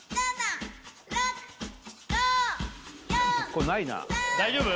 これないな大丈夫？